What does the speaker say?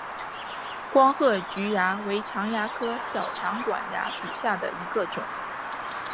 光褐菊蚜为常蚜科小长管蚜属下的一个种。